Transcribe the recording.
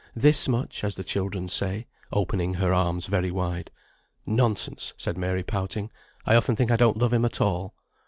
'This much,' as the children say" (opening her arms very wide). "Nonsense," said Mary, pouting; "I often think I don't love him at all."